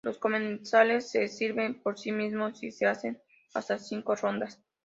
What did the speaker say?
Los comensales se sirven por sí mismos y se hacen hasta cinco rondas.